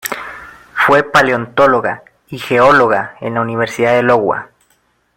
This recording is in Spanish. Fue paleontóloga y geóloga en la Universidad de Iowa.